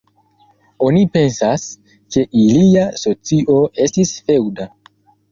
Oni pensas, ke ilia socio estis feŭda.